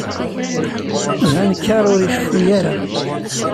D anekkar ur iceffu ara.